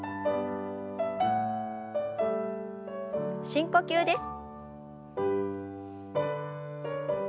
深呼吸です。